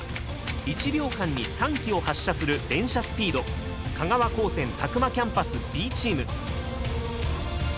１秒間に３機を発射する連射スピード香川高専詫間キャンパスＢチーム。